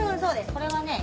これはね